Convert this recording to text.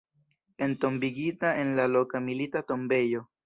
Entombigita en la loka Milita Tombejo.